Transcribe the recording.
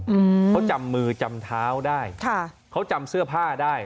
อืมเขาจำมือจำเท้าได้ค่ะเขาจำเสื้อผ้าได้